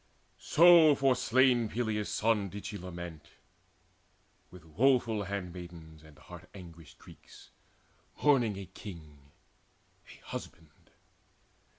So for slain Peleus' son did she lament With woeful handmaids and heart anguished Greeks, Mourning a king, a husband.